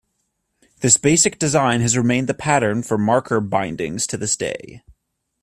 This basic design has remained the pattern for Marker bindings to this day.